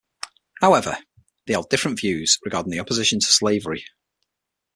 However, they held different views regarding the opposition to slavery.